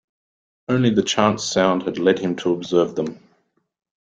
Only the chance sound had led him to observe them.